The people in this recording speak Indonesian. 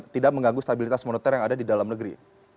tidak mengganggu stabilitas moneter yang ada di dalam negeri